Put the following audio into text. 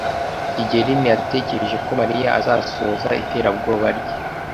kigeli ntiyatekereje ko Mariya azasohoza iterabwoba rye.